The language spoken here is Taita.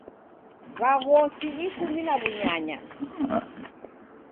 W'aghosi ikumi na w'unyanya.